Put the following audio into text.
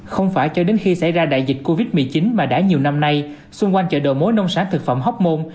không phải cho đến khi xảy ra đại dịch covid một mươi chín mà đã nhiều năm nay xung quanh chợ đồ mối nông sản thực phẩm hóc môn